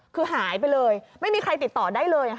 คือหายไปเลยไม่มีใครติดต่อได้เลย